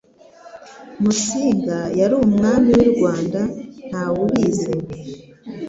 musinga yari umwami wi rwanda ntawubizi